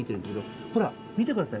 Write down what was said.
ほら見てください